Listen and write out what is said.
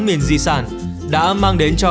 miền di sản đã mang đến cho